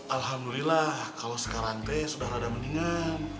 alhamdulillah kalau sekarang teh sudah rada mendingan